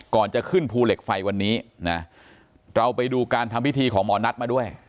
ก่อนจะขึ้นภูเหล็กไฟวันนี้นะเราไปดูการทำพิธีของหมอนัทมาด้วย